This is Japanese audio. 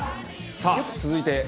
さあ続いて。